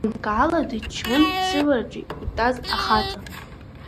Лымкаала дыччон сывараҿ итаз ахаҵа.